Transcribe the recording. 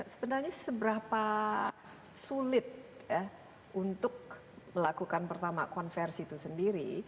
sebenarnya seberapa sulit untuk melakukan pertama konversi itu sendiri